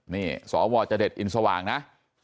นี่สวจเด็ดอินสว่างนะ